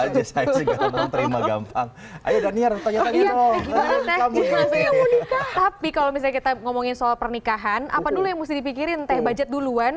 tapi kalau misalnya kita ngomongin soal pernikahan apa dulu yang mesti dipikirin teh budget duluan